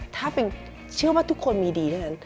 ถ้าเชื่อว่าทุกคนมีดีด้วยกัน